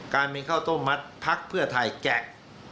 การมีข้าวต้มมัดพักเพื่อไทยแกะ